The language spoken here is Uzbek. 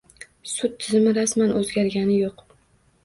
Sud tizimi rasman oʻzgargani yoʻq.